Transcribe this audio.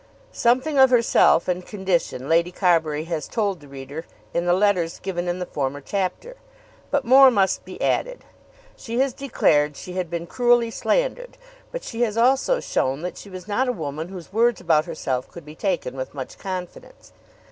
Something of herself and condition Lady Carbury has told the reader in the letters given in the former chapter, but more must be added. She has declared she had been cruelly slandered; but she has also shown that she was not a woman whose words about herself could be taken with much confidence.